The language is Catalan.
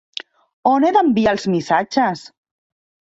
On he d'enviar els missatges?